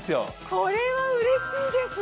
これはうれしいです。